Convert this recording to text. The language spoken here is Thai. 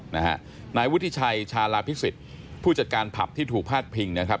นายวุฒิชัยชาลาพิสิทธิ์ผู้จัดการผับที่ถูกพาดพิงนะครับ